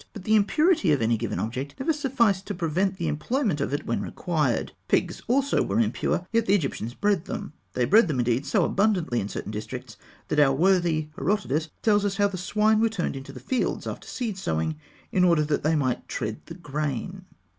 But the impurity of any given object never sufficed to prevent the employment of it when required. Pigs also were impure; yet the Egyptians bred them. They bred them, indeed, so abundantly in certain districts, that our worthy Herodotus tells us how the swine were turned into the fields after seed sowing, in order that they might tread in the grain.